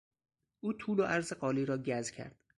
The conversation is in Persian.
او طول و عرض قالی را گز کرد.